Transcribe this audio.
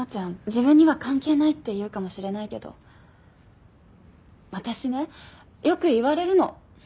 自分には関係ないって言うかもしれないけど私ねよく言われるの。